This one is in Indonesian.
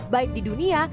baik di dunia